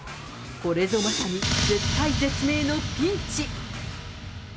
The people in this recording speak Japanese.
これぞまさに絶体絶命のピンチ。